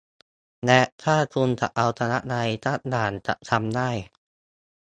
และถ้าคุณจะเอาชนะอะไรสักอย่างจะทำได้